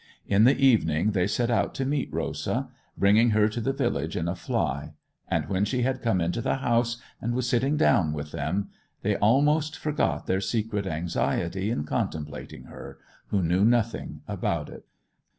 In the evening they set out to meet Rosa, bringing her to the village in a fly; and when she had come into the house, and was sitting down with them, they almost forgot their secret anxiety in contemplating her, who knew nothing about it.